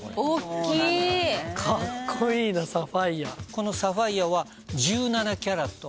このサファイアは１７カラット。